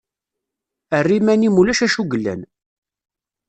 Err iman-im ulac acu yellan.